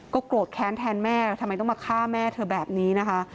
โกรธแค้นแทนแม่แล้วทำไมต้องมาฆ่าแม่เธอแบบนี้นะคะ